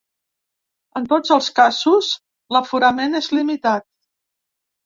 En tots els casos, l’aforament és limitat.